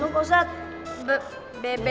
untuk namanya bukan terima